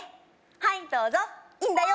はいどうぞいいんだよ